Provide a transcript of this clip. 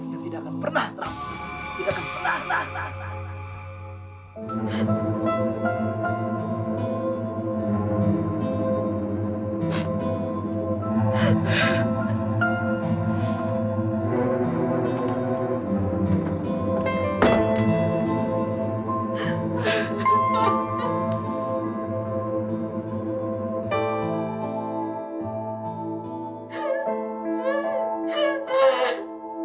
yang tidak akan pernah terampuni